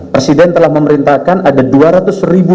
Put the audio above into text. presiden telah memerintahkan ada dua ratus ribu